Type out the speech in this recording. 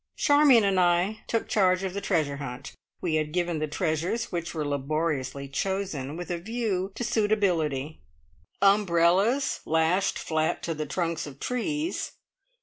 Charmion and I took charge of the Treasure Hunt. We had given the treasures, which were laboriously chosen with a view to suitability. Umbrellas (lashed flat to the trunks of trees!)